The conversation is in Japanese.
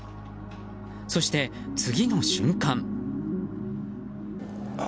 そして、次の瞬間。